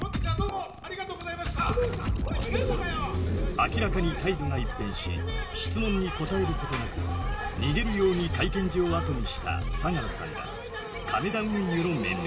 ⁉明らかに態度が一変し質問に答えることなく逃げるように会見場を後にした相良さんら亀田運輸の面々。